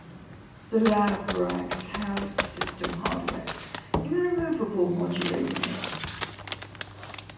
The lab racks house the system hardware in removable modular units.